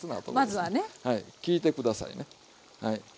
まずはね。聞いて下さいね。